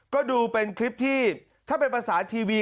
ก็ดูเป็นคลิปที่ถ้าเป็นภาษาทีวี